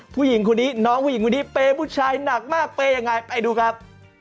ผู้หญิงคนนี้น้องผู้หญิงคนนี้เปย์ผู้ชายหนักมากเปย์ยังไงไปดูครับ